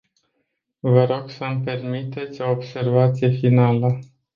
Vă rog să-mi permiteți o observație finală.